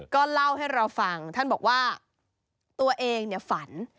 ก็เล่าให้เราฟังท่านบอกว่าตัวเองฝัน